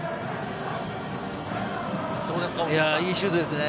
いいシュートですね。